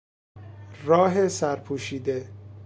راه سر پوشیده